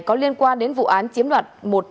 có liên quan đến vụ án chiếm loạt